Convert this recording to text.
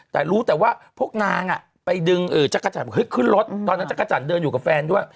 แต่รู้แต่ว่าพวกนางไปดึงจักรจันทร์ขึ้นรถตอนนั้นจักรจันทร์เดินอยู่กับแฟนด้วย